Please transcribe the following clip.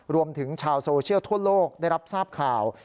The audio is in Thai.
รวมถึงชาวโซเชียลทั่วโลกได้รับทราบข่าว